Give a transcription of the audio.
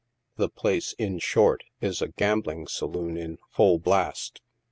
The place, in short, is a gambling saloon in " full blast."